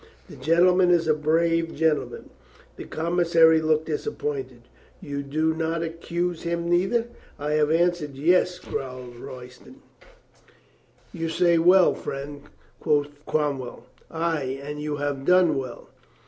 "The gentleman is a brave gen tleman." The commissary looked disappointed. "You do ^ot accuse him neither?" "I have answered you," growled Royston. 274 COLONEL GREATHEART "You say well, friend," quoth Cromwell. "Ay, and you have done well.